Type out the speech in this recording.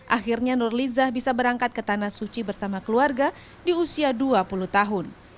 akhirnya nurlizah bisa berangkat ke tanah suci bersama keluarga di usia dua puluh tahun